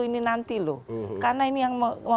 ini nanti loh karena ini yang mempengaruhi bagaimana